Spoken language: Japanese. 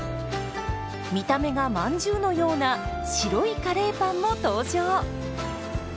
見た目がまんじゅうのような白いカレーパンも登場！